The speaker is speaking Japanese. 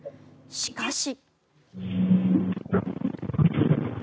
しかし。